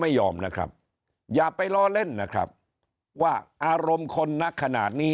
ไม่ยอมนะครับอย่าไปล้อเล่นนะครับว่าอารมณ์คนนักขนาดนี้